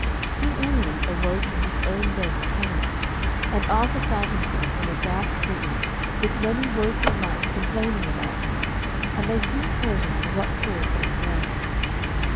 King Uriens awoke in his own bed in Camelot, and Arthur found himself in a dark prison, with many woeful knights complaining about him, and they soon told him for what cause they were there.